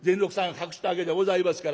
隠したわけでございますからね。